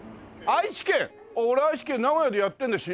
俺愛知県名古屋でやってるんだよ。